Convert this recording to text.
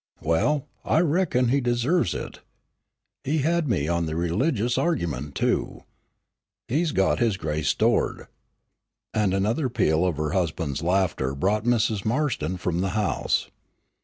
Well, I reckon he deserves it. He had me on the religious argument, too. He's got his grace stored." And another peal of her husband's laughter brought Mrs. Marston from the house.